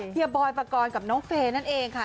เฮียบอยล์ปากรกับน้องเฟย์นั่นเองค่ะ